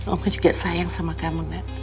oma juga sayang sama kamu nek